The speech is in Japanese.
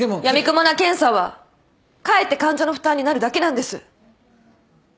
やみくもな検査はかえって患者の負担になるだけなんです。